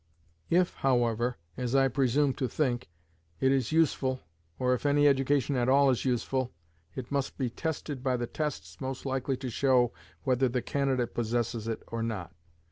If, however (as I presume to think), it is useful, or if any education at all is useful, it must be tested by the tests most likely to show whether the candidate possesses it or not.